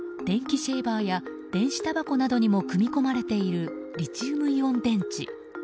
電気シェーバーや電子たばこなどにも組み込まれているリチウムイオン電池。